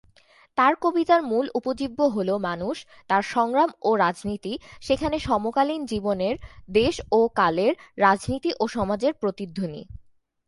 তার কবিতার মূল উপজীব্য হল মানুষ, তার সংগ্রাম ও রাজনীতি, সেখানে সমকালীন জীবনের, দেশ ও কালের, রাজনীতি ও সমাজের প্রতিধ্বনি।